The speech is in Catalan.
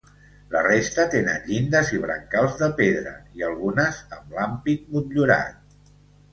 La resta tenen llindes i brancals de pedra i algunes amb l'ampit motllurat.